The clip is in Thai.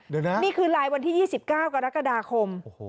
เดี๋ยวนะนี่คือไลน์วันที่๒๙กรกฎาคม